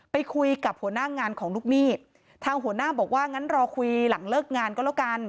ไปคุยกับหัวหน้างานของลูกหนี้ทางหัวหน้าบอกว่างั้นรอคุยหลังเลิกงานก็แล้วกัน